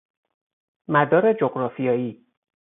مدار جغرافیائی